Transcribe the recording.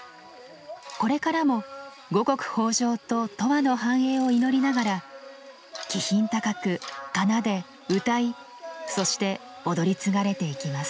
これからも五穀豊穣と永久の繁栄を祈りながら気品高く奏でうたいそして踊り継がれていきます。